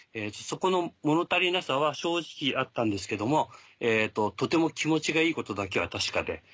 そこの物足りなさは正直あったんですけどもとても気持ちがいいことだけは確かで。